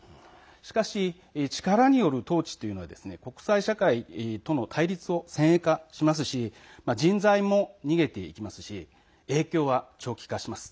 しかし、力による統治というのが国際社会との対立を先鋭化しますし人材も逃げていきますし、影響は長期化します。